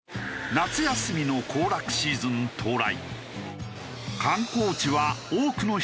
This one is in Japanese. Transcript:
夏休みの行楽シーズン到来。